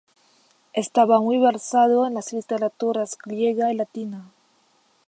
Estaba muy versado en las literaturas griega y latina.